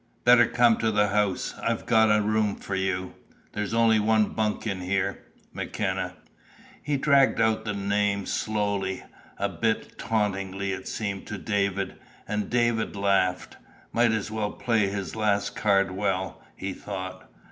"Better come to the house. I've got a room for you. There's only one bunk in here McKenna." He dragged out the name slowly, a bit tauntingly it seemed to David. And David laughed. Might as well play his last card well, he thought.